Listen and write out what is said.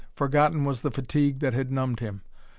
Forgotten was the fatigue that had numbed him.